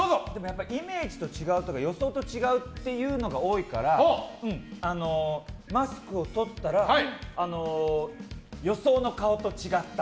イメージと違うとか予想と違うっていうのが多いから、マスクを取ったら予想の顔と違った。